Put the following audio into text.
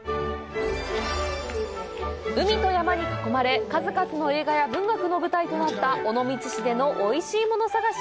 海と山に囲まれ数々の映画や文学の舞台となった尾道市でのおいしいもの探し。